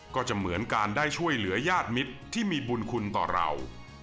ก็จะเหมือนการได้ช่วยเหลือญาติมิตรที่มีบุญคุณต่อเรา